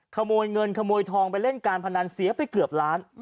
ขโมยเงินขโมยทองไปเล่นการพนันเสียไปเกือบล้าน